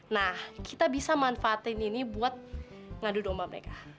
nah kita bisa manfaatin ini buat ngadu domba mereka